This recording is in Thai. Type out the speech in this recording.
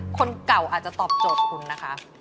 คนเก่าอาจจะตอบโจทย์คุณนะคะ